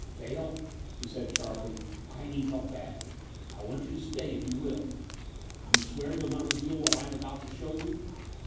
"Vail," he said sharply, "I need help badly. I want you to stay, if you will. You swear you'll not reveal what I am about to show you?"